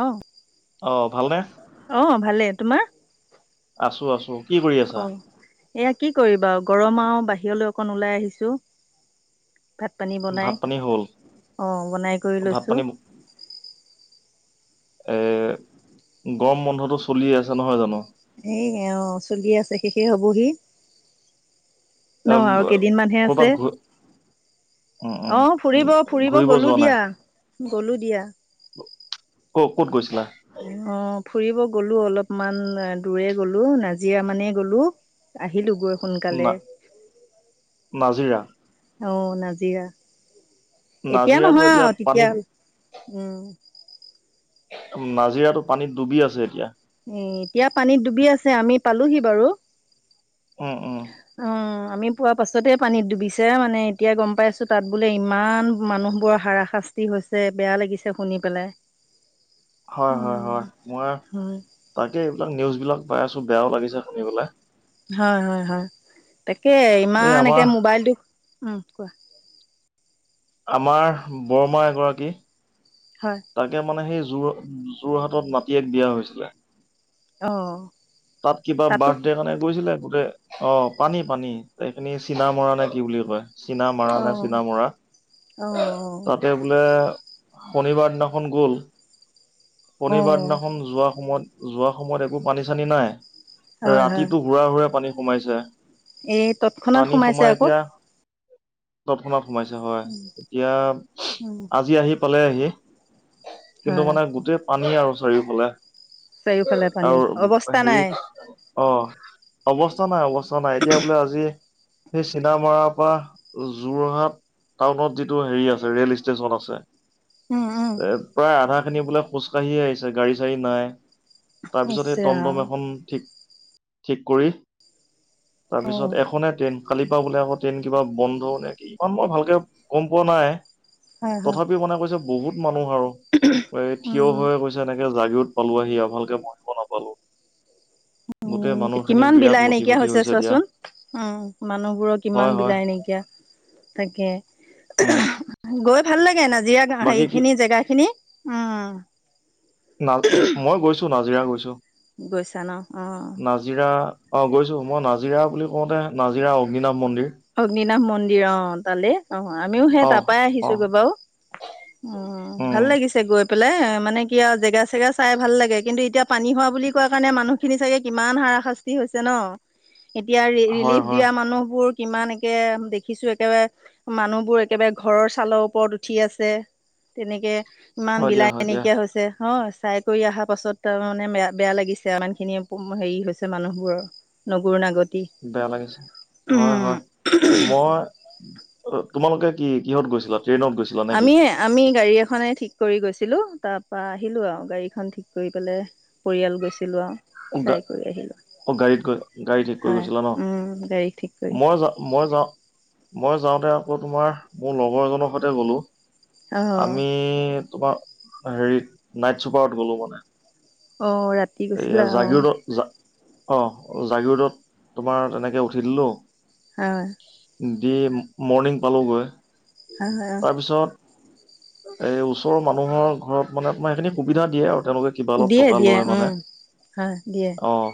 অঁ। অঁ, ভালনে? অঁ, ভালে তোমাৰ। আছো, আছো। কি কৰি আছা অঁ, এয়া কি কৰিবা গৰম আও বাহিৰলৈ অকন ওলাই আহিছোঁ। ভাত পানী ভাত বনাই পানী হ'ল অঁ, বনাই কৰি ভাত লৈছোঁ। পানী এ, গৰম বন্ধতটো চলি আছে নহয় জানো। এ, অ, চলি আছে শেষেই হবহি। ন এম, আৰু কেইদিনমানহে কৰ'বাত আছে। ঘূ উম উম অঁ, উম, ফুৰিব ফুৰিব ঘূৰিব গলো যোৱা নাই দিয়া, গলো দিয়া। ক, ক'ত গৈছিলা? অঁ, ফুৰিব গ'লো অলপমান দূৰে গ'লো নাজিৰা মানেই গ'লো। আহিলো গৈ না সোনকালে। নাজিৰা অঁ, নাজিৰা এতিয়া নাজিৰাটো নহয় আৰু তেতিয়া, পানীত উম। নাজিৰাটো পানীত ডুবি আছে এতিয়া। এ, এতিয়া পানীত ডুবি আছে আমি পালোহি বাৰু। উম। উম অঁ, আমি পোৱা পাছতে পানীত ডুবিছে মানে এতিয়া গম পাই আছো তাত বোলে ইমান মানুহ বোৰৰ হাৰা হা। শাস্তি হৈছে বেয়া লাগিছে, শুনি পেলাই। হয়, হয়, হয় মই হয়, তাকে এইবিলাক নিউজ বিলাক পাই আছোঁ বেয়াও লাগিছে শুনিবলৈ। হয়, হয়, হয় তাকে এই ইমান আমাৰ একে মোবাইলটো, উম। আমাৰ বৰমা এগৰাকী। হয়। তাকে মানে সেই যোৰ যোৰহাটত নাতিয়েক বিয়া হৈছিলে। অ', তাত কিবা তাতো বাৰ্থডে কাৰণে গৈছিলে গোটেই। অঁ, পানী পানী এইখিনি চীনা মৰা নে কি বুলি কয়। চীনা মৰা নে অ', চীনা মৰা অ', তাতেউ। বোলে শনিবাৰ দিনাখন গ'ল, শনিবাৰ অ', দিনাখন যোৱা সময়ত। যোৱা সময়ত একো পানী চানী নাই, হয়, হয় ৰাতিতো হুৰা হুৰা পানী সোমাইছে। এই তৎক্ষণাত পানী সোমাইছে সোমাই আকৌ। এতিয়া তৎক্ষণাত সোমাইছে হয়, এতিয়া উম, আজি আহি পালেহী। কিন্তু হয়, মানে গোটেই পানী আৰু চাৰিওফালে চাৰিওফালে পানী আৰু অৱস্থা নাই। হেৰিত। অঁ, অৱস্থা নাই অৱস্থা নাই এতিয়া বোলে আজি। সেই চীনামৰাৰ পৰা যোৰহাট। টাউনত যিটো হেৰি আছে, ৰেল ষ্টেচন আছে। উম, উম, এ, প্ৰায় আধা খিনি বোলে খোজকাঢ়িয়ে আহিছে গাড়ী চাড়ী নাই। ইচ তাৰপিছত এই ৰাম টমটম এখন ঠিক কৰি। তাৰপিছত অ', এখনেই ট্ৰেইন। কালি পা বোলে আকৌ ট্ৰেইন কিবা বন্ধ নে কি! ইমান মই ভালকে গম পোৱা নাই। হয়, হয়, তথাপিও মানে কৈছে, বহুত মানুহ আৰু এই থিয় উম। হৈয়ে গৈছে। এনেকে জাগিৰোড পালোহি আৰু ভালকে বহিব নাপালো। গোটেই উম, মানুহখিনি কিমান বিৰাট বিলাই লটি নাইকিয়া ঘটি হৈছে দিয়া চোৱাচোন। উম, মানুহবোৰৰ হয় কিমান হয় বিলাই নাইকিয়া উম তাকে। গৈ ভাল লাগে। নাজিৰাত বাকী হেৰি কি খিনি জেগা খিনি। উম। না মই গৈছো নাজিৰা গৈছো। গৈছা ন! অহ। নাজিৰা! অ, গৈছো। মই নাজিৰা বুলি কওঁতে নাজিৰা অগ্নিনাম মন্দিৰ। অগ্নিনাভ মন্দিৰ, অ, তালে। অহ, আমিও সেই অ তাৰপাই অ আহিছোগৈ বাৰু! উম, ভাল লাগিছে গৈ পেলাই মানে কি আৰু জেগা-চেগা চাই ভাল লাগে। কিন্তু এতিয়া পানী হোৱা বুলি কোৱা কাৰণে মানুহখিনি চাগে কিমান হাৰাশাস্তি হৈছে ন! এতিয়া হয় ৰিলিফ হয় দিয়া মানুহবোৰ কিমান একে দেখিছো, একেবাৰে মানুহবোৰ একেবাৰে ঘৰৰ ছালৰ ওপৰত উঠি আছে। তেনেকে ইমান হয় দিয়া হয় বিলাই দিয়া নাইকিয়া হৈছে, হয়, চাই কৰি অহা পাছত তাৰ মানে বেয়া-বেয়া লাগিছে, ইমান খিনি হেৰি হৈছে মানুহবোৰৰ নগৰু নাগতি, বেয়া লাগিছে হয় উম। হয় মই, তোমালোকে কি কিহত গৈছিলা? ট্ৰেইনত গৈছিলা! নে কি আমি এয়া আমি গাড়ী এখনে ঠিক কৰি গৈছিলো। তাৰ পৰা আহিলো আৰু গাড়ীখন ঠিক কৰি পেলাই পৰিয়াল গৈছিলো আৰু, চাই কৰি আহিলো। অ, গাড়ীত গৈ জগাড়ী ঠিক কৰি হয় গৈছিলা ন! উম গাড়ী ঠিক কৰি মই যাও, মই যাওঁ মই যাওঁতে আকৌ তোমাৰ, মোৰ লগৰ এজনৰ সৈতে গ'লো। অ আমি তোমাৰ হেৰিত নাইট চুপাৰত গ'লো মানে। অহ, ৰাতি! এয়া গৈছিলা অ জাগিৰোডত, অহ, জাগিৰোডত তোমাৰ তেনেকে উঠি দিলো। হয়। দি মৰ্ণিং পালোগৈ। হয় হয়, অ, তাৰপিছত এই ওচৰৰ মানুহৰ ঘৰত মানে তোমাৰ এইখিনি সুবিধা দিয়ে আৰু তেওঁলোকে। কিবা অলপ দিয়ে, দিয়ে, উম, হয় দিয়ে। অহ,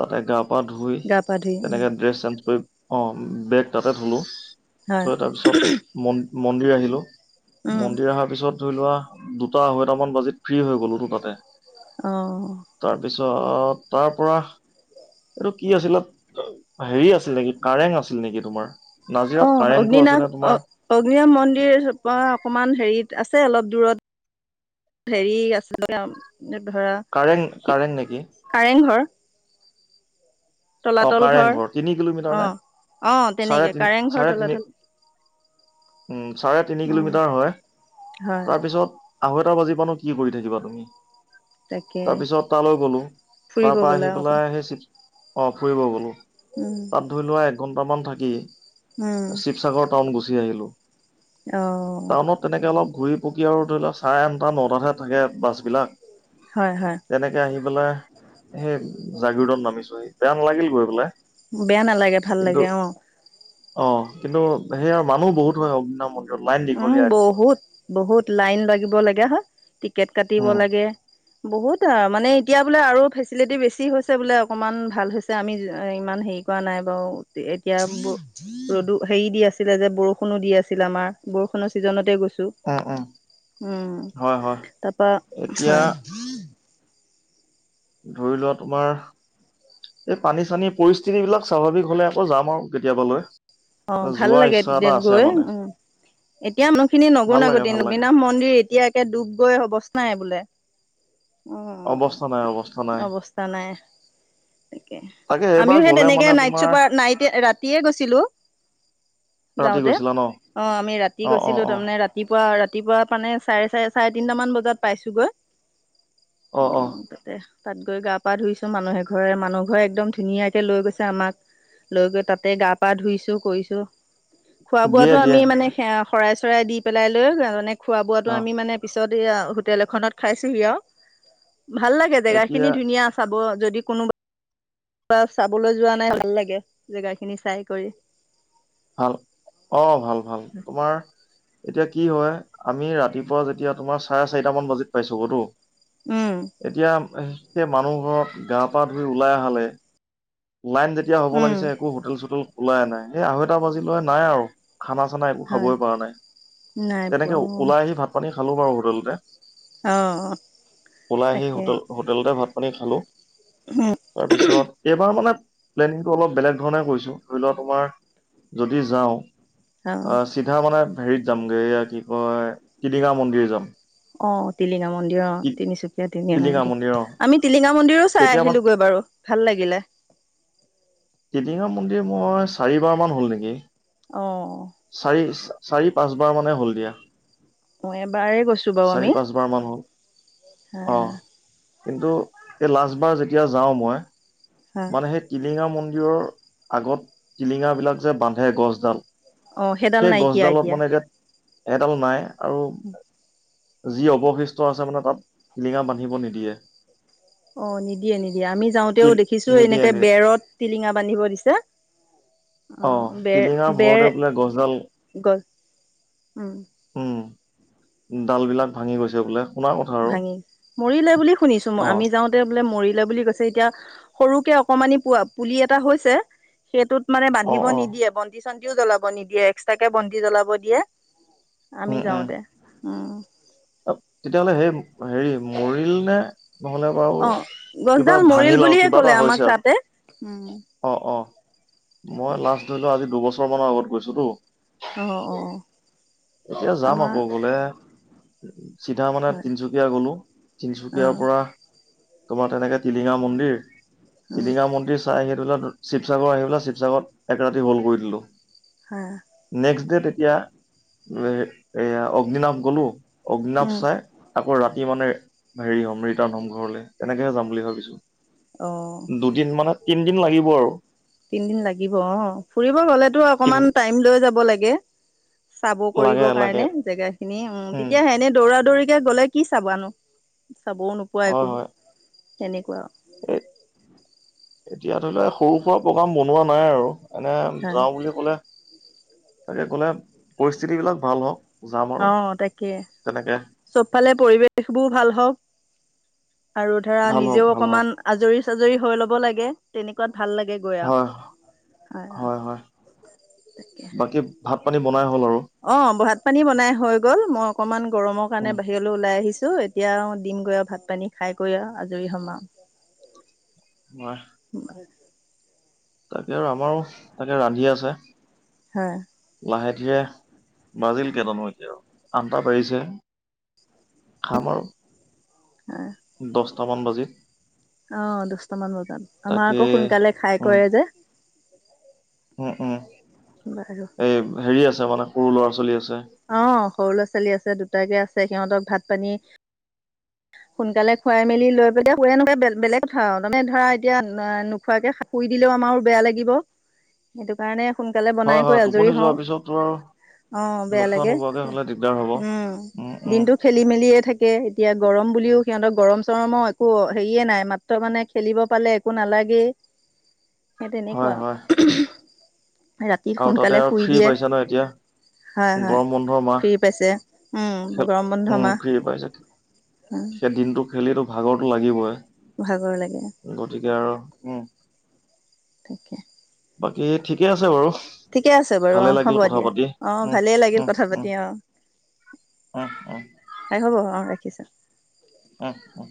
তাতে গা-পা ধুই, গা পা ধুই উম তেনেকে ড্ৰেছ চেঞ্জ কৰি অহ, বেগ তাতে থলোঁ, হয় থৈ তাৰপিছত মন-মন্দিৰ আহিলোঁ। উম মন্দিৰ অহাৰ পিছত ধৰি লোৱা দুটা-আঢ়ৈটামান বাজিত ফ্ৰী হৈ গ'লো তাতে। অহ। তাৰপিছত, তাৰ পৰা এইটো কি আছিল, হেৰি আছিল নেকি! কাৰেং আছিল নেকি তোমাৰ। অ নাজিৰাত কাৰেংটো আছে অগ্নিনাভ না অ তোমাৰ। অগ্নিনাভ মন্দিৰ অকমান হেৰিত আছে অলপ দূৰত। কাৰেং কাৰেং নেকি [unintelligible] কাৰেংঘৰ অ তলাতল কাৰেং ঘৰ। তিনি কিলোমিটাৰ নে অঁ, অঁ, চাৰে তেনেকৈ, তিনি কাৰেং ঘৰ, চাৰে তিনি তলাতল। উম, চাৰে তিনি উম কিলোমিটাৰ হয়, হয় তাৰপিছত আঢ়ৈতা বাজি মানত কি কৰি থাকিবা তুমি? তাকে তাৰ পিছত তালৈ গ'লো। তাৰ ফুৰিব পৰা গ'লে আহি অকণ পেলাই অহ, ফুৰিব গ'লো। উম। তাত ধৰি লোৱা এক ঘন্টা মান থাকি উম শিৱসাগৰ টাউন গুচি আহিলো অহ টাউনত তেনেকে অলপ ঘূৰি পকি আৰু ধৰি লওক চাৰে আঠটা নটাতে থাকে বাছ বিলাক হয় হয় তেনেকে আহি পেলাই সেই জাগিৰোদত নামিছোহি বেয়া নালাগিল গৈ পেলাই বেয়া নালাগে ভাল লাগে অহ অহ কিন্তু সেইয়া মানুহ বহুত হয় অগ্নিনাভ মন্দিৰত লাইন উম দীঘলীয়া একদম। বহুত বহুত লাইন লাগিব লগিয়া হয় টিকেট কাটিব উম, লাগে বহুত মানে এতিয়া বোলে আৰু ফেচিলিটি বেছি হৈছে বোলে অকণমান ভাল হৈছে আমি ইমান হেৰি কোৱা নাই বাৰু এতিয়া ৰদো হেৰি দি আছিলে যে বৰষুণো দি আছিল আমাৰ বৰষুণৰ ছিজনতে গৈছো উম হয়, হয়। তাৰ পৰা এতিয়া হয় ধৰি লোৱা তোমাৰ এই পানী চানী পৰিস্থিতি বিলাক স্বাভাৱিক হলে আকৌ যাম আৰু কেতিয়াবালৈ অ ভাল যোৱা লাগে ইচ্ছা এটা তেতিয়া আছে গৈ মানে উম এতিয়া মানুহখিনি ভাল লাগে নগনাগতি ভাল লাগে অগ্নিনাভ মন্দিৰ এতিয়া একে ডুব গৈ অৱস্থা নাই বোলে অ অৱস্থা নাই অৱস্থা নাই অৱস্থা নাই তাকে তাকে এইবাৰ আমিও সেই গ'লে তেনেকে মানে নাইট তোমাৰ চুপাৰ নাইটে ৰাতিয়ে গৈছিলো ৰাতি যাওঁতে গৈছিলা ন অ আমি ৰাতি অ অ গৈছিলো অ তাৰমানে ৰাতি ৰাতিপুৱা ৰাতিপুৱা মানে চাৰে চাৰে চাৰে তিনটামান বজাত পাইছোগৈ অ অ উম তাকে তাত গৈ গা পা ধুইছো মানুহে এঘৰে মানুহ ঘৰে একদম ধুনীয়াকে লৈ গৈছে আমাক লৈ গৈ তাতে গা পা ধুইছো কৰিছো খোৱা দিয়ে বোৱাতো দিয়ে আমি মানে সেয়া শৰাই চৰাই দি পেলাই লৈ তাৰপানি খোৱা বোৱাটো অ আমি মানে পিছত সছয়া হোটেল এখনত খাইছোঁহি আও ভাল লাগে জেগা এতিয়া খিনি ধুনীয়া চাব যদি কোনোবা কোনোবা চাবলৈ যোৱা নাই ভাল লাগে জেগা খিনি চাই কৰি ভাল অ ভাল ভাল তোমাৰ এতিয়া কি হয় আমি ৰাতিপুৱা যেতিয়া তোমাৰ চাৰে চাৰিটা মান বাজিত পাইছো গৈতো উম এতিয়া সেই মানুহ ঘৰত গা পা ধুই ওলাই আহালে লাইন যেতিয়া হ'ব উম লাগিছে একো হোটেল চোটেল খোলাই নাই এই আঢ়ৈটা বাজিলে নাই আৰু খানা চানা এইবোৰ হয় খাবই পৰা নাই নাই পোৱা তেনেকে অ ওলাই আহি ভাত পানী খালো বাৰু হোটেলতে অ ওলাই আহি তাকে হোটেল হোটেলতে ভাত পানী খালো তাৰ পিছত এইবাৰ মানে প্লেনিংটো অলপ বেলেগ ধৰণে কৰিছো ধৰি লোৱা তোমাৰ যদি যাওঁ অ আ চিধা মানে হেৰিত যামগে এয়া কি কয় টিলিঙা মন্দিৰ যাম অ টিলিঙা মন্দিৰ অ তিনিচুকীয়া টিলিঙা মন্দিৰ আমি টিলিঙা মন্দিৰৰো চাই তেতিয়া মানে আহিলোগৈ বাৰু ভাল লাগিলে টিলিঙা মন্দিৰ মই চাৰিবাৰ মান হ'ল নেকি অ চাৰি চাৰি পাঁচবাৰ মানে হ'ল দিয়া মই এবাৰে গৈছো বাৰু চাৰি আমি পাঁচবাৰ মান হ'ল হা অ কিন্তু এই লাষ্টবাৰ যেতিয়া যাওঁ মই হা মানে সেই টিলিঙা মন্দিৰৰ আগত টিলিঙা বিলাক যে বান্ধে গছ ডাল অ সেইডাল সেই নাইকিয়া গছডালত মানে এতিয়া এডাল নাই, আৰু যি অৱশিষ্ট আছে মানে তাত টিলিঙা বান্ধিব নিদিয়ে। অঁ নিদিয়ে নিদিয়ে, আমি যাওঁতেও তিল দেখিছো নিদিয়ে এনেকে নিদিয়ে বেৰ ৰত টিলিঙা বান্ধিব দিছে, অ বে টিলিঙাৰ বেৰ ভৰতে বোলে গছডাল গল উম। উম, ডাল বিলাক ভাঙি গৈছে বোলে। শুনা কথা আৰু ভাঙি মৰিলে বুলি শুনিছো, মই অ আমি যাওঁ তে বোলে মৰিলে বুলি কৈছে এতিয়া সৰুকে অকমানি পোৱা পুলি এটা হৈছে। সেইটোত মানে অ বান্ধিব অ নিদিয়ে বন্তি চন্তিও জ্বলাব নিদিয়ে এক্সট্ৰাকে বন্তি জ্বলাব দিয়ে। আমি উম উম যাওঁতে উম। তেতিয়াহ'লে সেই হেৰি মৰিলা নে? নহলে বাৰু অ কিবা গছডাল মৰিল ভাঙিল আৰু বুলিয়ে কিবা ক'লে এটা আমাক হৈছে তাতে উম আৰু। অঁ অঁ, তাকে মই লাষ্ট ধৰি লও আজি দুবছৰ মানৰ আগত গৈছো তো। অ অ এতিয়া যাম আমাৰ আকৌ গলে। চিধা মানে হয় তিনচুকীয়া গলোঁ, অ তিনচুকীয়াৰ পৰা তোমাৰ তেনেকে টিলিঙা মন্দিৰ, অ টিলিঙা মন্দিৰ চাই আহি দিলা, শিৱসাগৰ আহি পেলাই শিৱসাগৰত এক ৰাতি হল কৰি দিলো। হয়। নেক্সট ডে তেতিয়া এয়া অগ্নিনাভ গ'লো, অগ্ননাাভ উম চাই আকৌ ৰাতিব মানে হেৰি হ'ম ৰিটাৰ্ণ হ'ম ঘৰলৈ তেনেকেহে যাম বুলি ভাবিছো। অ। দুদিন মানত তিনদিন লাগিব আৰু। তিনদিন লাগিব অঁ, ফুৰিবলৈ গলেতো তিন অকমান টাইম লৈ যাব লাগে। চাব লাগে কৰিবৰ লাগে কাৰণে জেগা খিনি উম, তেতিয়া এনেই দৌৰা দৌৰিকে গ'লে কি চাবনো চাবও নোপোৱা হয় একো। হয় তেনেকুৱা। এ এতিয়া ধৰি লোৱা সৰু সুৰা প্ৰগ্ৰাম বনোৱা নাই আৰু। এনে হা যাওঁ বুলি ক'লে তাকে ক'লে পৰিস্থিতিবিলাক ভাল হওক। অঁ তাকে চ'বফালে পৰিৱেশ বোৰ ভাল হওক। আৰু ধৰা ভাল হওঁক নিজেও ভাল হওঁক অকনমান আজৰি চাজৰি হৈ ল'ব লাগে, তেনেকুৱাত ভাল লাগে। গৈ আৰু হয় হয় হয়, বাকী ভাত পানী বনাই হ'ল আৰু। অঁ, ভাত পানী বনাই হৈ গ'ল, মই অকনমান গৰমৰ কাৰণে উম বাহি ৰলৈ ওলাই আহিছোঁ, এতিয়া দিম গৈ আৰু ভাত পানী খাই কৰি আজৰি হম আও। [inaudible] [inaudible] নোৱাৰে। তাকে আৰু আমাৰো তাকে ৰান্ধি আছে। হয়। লাহে ধীৰে, বাজিল কেইটানো এতিয়া আঠটা বাজিছে হে। খাম আৰু। অঁ। দশটামান বাজিল। অঁ দশটামান বজাত, আমাৰ তাকে আকৌ সোনকালে খাই উম কৰে যে। উম উম। বাৰু। এই হেৰি আছে মানে, সৰু ল'ৰা -ছোৱালী আছে। অ' সৰু ল'ৰা ছোৱালী আছে, দুটাকে আছে সিহঁতক ভাত পানী সোনকালে খুৱাই মেলি লৈ পেলাই শুৱে নুশুৱে বেলেগ কথা আৰু, মানে ধৰা এতিয়া নোখোৱাকে শুই দিলেও আমাৰো বেয়া লাগিব। সেইটো কাৰণে সোনকালে বনাই হয় কৰি হয় আজৰি টোপনি হওঁ। যোৱাৰ পিছত তো আৰু অ' বেয়া নোখোৱা লাগে, নোবোৱাকে হলে দিগদাৰ হ'ব উম' দিনটো খেলি মেলিয়ে থাকে। এতিয়া গৰম। বুলিও সিহঁতক গৰম চৰমৰ একো হেৰিয়ে নাই, মাত্ৰ মানে খেলিব পালে একো নালাগেই। সেই হয় তেনেকুৱা। হয় ৰাতি আৰু তাতে সোনকালে আৰু শুই ফ্ৰী দিয়ে। পাইছা ন এতিয়া হয় হয়, গৰম বন্ধৰ মাহ ফ্ৰী পাইছে, খেল গৰম বন্ধ মাহ। উম'। সে দিনটো খেলি তোৰ ভাগৰতো লাগিবই। ভাগৰ লাগে। গতিকে আৰু উম'। তাকে। বাকী ঠিকে আছে বাৰু। ঠিকে আছে বাৰু অ ভালে হ'ব লাগিল কথা দিয়া পাতি, অ ভালেই লাগিল উম' উম' কথা পাতি উম'। অ অহ, অহ। এ হ'ব অ ৰাখিছোঁ। উম উম।